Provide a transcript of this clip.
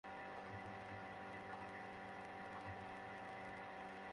কাতারে কাল আরও একটি রুপার পদক জিতেছে বাংলাদেশের ভারোত্তোলক রেশমা আক্তার।